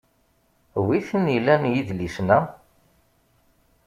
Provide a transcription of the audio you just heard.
Wi t-nilan yedlisen-a?